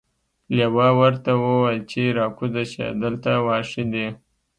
لیوه ورته وویل چې راکوزه شه دلته واښه دي.